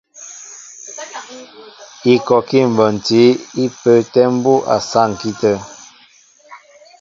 Ikɔkí mbonti í pə́ə́tɛ̄ mbú' a saŋki tə̂.